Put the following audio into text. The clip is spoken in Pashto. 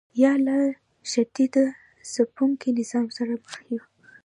یا له شدید ځپونکي نظام سره مخ یو.